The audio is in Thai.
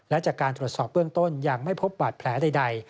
และจากการตรวจสอบเบื้องต้นยังไม่พบบาดแผลใด